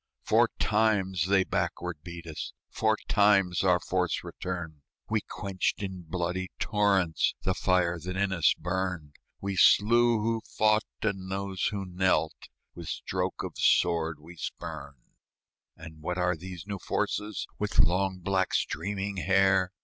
Four times they backward beat us, Four times our force returned; We quenched in bloody torrents The fire that in us burned; We slew who fought, and those who knelt With stroke of sword we spurned. And what are these new forces, With long, black, streaming hair?